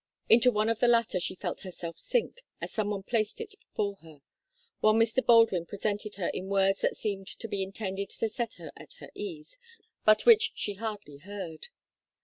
Into one of the latter she felt herself sink, as someone placed it for her, while Mr. Baldwin presented her in words that seemed to be intended to set her at her ease, but which she hardly heard.